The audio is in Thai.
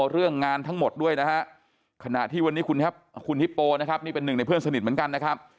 เรื่องงานทั้งหมดด้วยนะฮะขณะที่วันนี้คุณฮิปโปนะครับนี่เป็นหนึ่งในเพื่อนสนิทเหมือนกันนะครับ